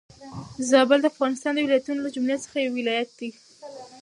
زابل د افغانستان د ولايتونو له جملي څخه يو ولايت دي.